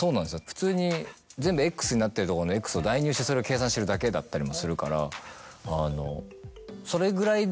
普通に全部ｘになってるところのｘを代入してそれを計算してるだけだったりもするから。